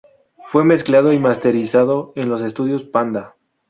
Fue mezclado y masterizado en los estudios Panda.